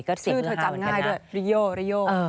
ชื่อเธอจำง่ายด้วยริโยริโย